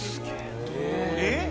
えっ？